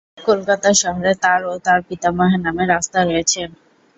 কলকাতা শহরে তার ও তার পিতামহের নামে রাস্তা রয়েছে।